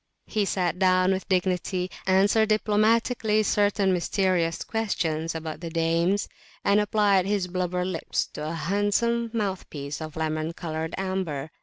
He sat down with dignity, answered diplomatically certain mysterious questions about the dames, and applied his blubber lips to a handsome mouthpiece of lemon coloured amber.